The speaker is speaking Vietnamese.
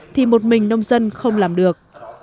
thì một mình nông dân không làm được